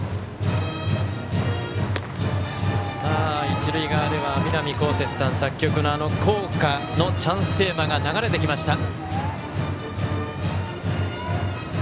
一塁側では南こうせつさん作曲の作曲の校歌のチャンステーマが流れてきました。